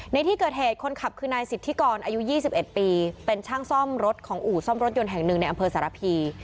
ในที่เกิดเหตุคนขับคือนายสิทธิกรอายุ๒๑ปีเป็นช่างซ่อมรถของอู่ซ่อมรถยนต์แห่งหนึ่งในอำเภอสารพี